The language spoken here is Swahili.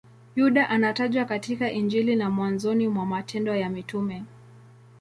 Yuda anatajwa katika Injili na mwanzoni mwa Matendo ya Mitume.